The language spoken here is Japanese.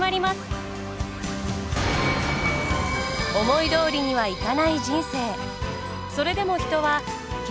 思いどおりにはいかない人生。